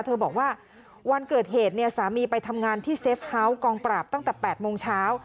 เธอบอกว่าวันเกิดเหตุเนี่ยสามีไปทำงานที่เซฟเฮาส์กองปราบตั้งแต่๘โมงเช้า